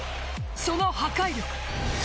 その破壊力